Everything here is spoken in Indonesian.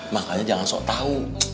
makanya jangan sok tahu